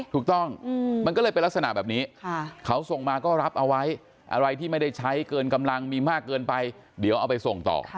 ถูกต้องมันก็เลยเป็นลักษณะแบบนี้เขาส่งมาก็รับเอาไว้อะไรที่ไม่ได้ใช้เกินกำลังมีมากเกินไปเดี๋ยวเอาไปส่งต่อ